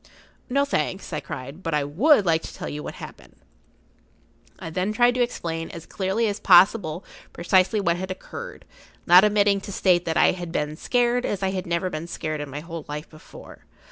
"No, thanks," I cried. "But I would like to tell you what happened."[Pg 49] I then tried to explain as clearly as possible precisely what had occurred, not omitting to state that I had been scared as I had never been scared in my whole life before.